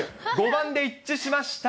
５番で一致しました。